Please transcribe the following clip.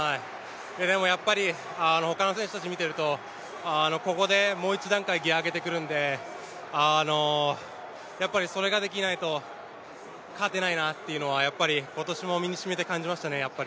でもやっぱり、他の選手たち見ているとここでもう一段階ギア上げてくるので、それができないと勝てないなというのは今年も身に染みて感じましたね。